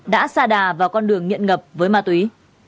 đã xa đà vào con đường nghiện ngập với ma túy